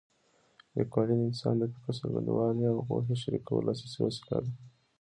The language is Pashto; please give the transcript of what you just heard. لیکوالي د انسان د فکر څرګندولو او د پوهې شریکولو اساسي وسیله ده.